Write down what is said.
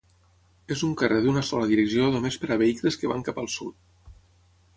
És un carrer d'una sola direcció només per a vehicles que van cap el sud.